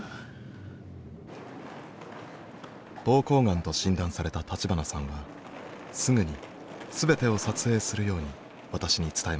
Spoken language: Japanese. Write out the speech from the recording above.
膀胱がんと診断された立花さんはすぐに全てを撮影するように私に伝えました。